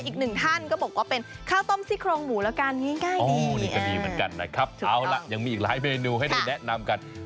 อีกหนึ่งท่านก็บอกว่าเป็นข้าวต้มซี่โครงหมูแล้วกันง่ายนี่ก็ดีเหมือนกันนะครับเอาล่ะยังมีอีกหลายเมนูให้ได้แนะนำกัน